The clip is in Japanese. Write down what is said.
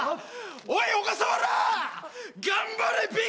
おい小笠原！